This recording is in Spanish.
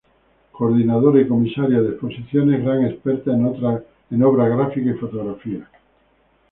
Coordinadora y comisaria de exposiciones, gran experta en obra gráfica y fotográfica.